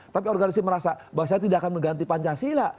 tapi organisasi merasa bahwa saya tidak akan mengganti pancasila